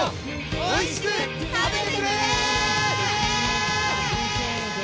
おいしく食べてくれ！